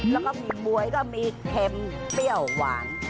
แล้วก็มีบ๊วยก็มีเค็มเปรี้ยวหวาน